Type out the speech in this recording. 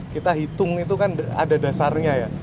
kita hitung itu kan ada dasarnya ya